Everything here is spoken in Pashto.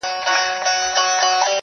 او مخ اړوي له خبرو تل,